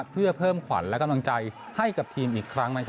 เพื่อเพิ่มขวัญและกำลังใจให้กับทีมอีกครั้ง